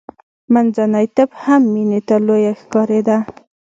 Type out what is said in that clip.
منځنی طب هم مینې ته لویه خبره ښکارېده